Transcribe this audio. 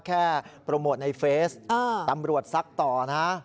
โปรโมทในเฟสตำรวจซักต่อนะ